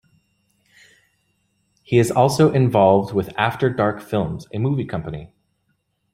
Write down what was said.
He is also involved with After Dark Films, a movie company.